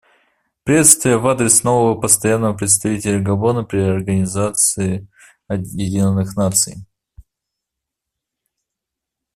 Приветствие в адрес нового Постоянного представителя Габона при Организации Объединенных Наций.